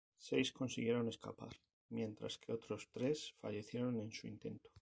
Seis consiguieron escapar, mientras que otros tres fallecieron en su intento.